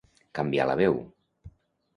Canviar la veu.